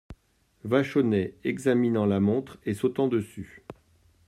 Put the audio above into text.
Vachonnet examinant la montre et sautant dessus.